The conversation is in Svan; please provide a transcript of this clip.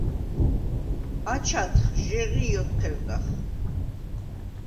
აჩადხ, ჟეღი̄ ოთჴერდახ.